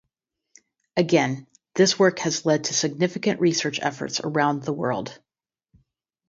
Again, this work has led to significant research efforts around the world.